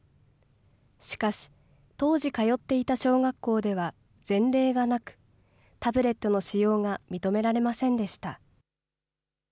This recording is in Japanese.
しかし、当時通っていた小学校では、前例がなく、タブレットの使用が認められませんでした。